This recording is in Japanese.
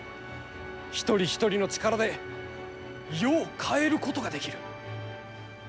一人一人の力で世を変えることができる。